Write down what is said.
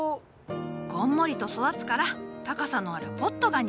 こんもりと育つから高さのあるポットが似合う。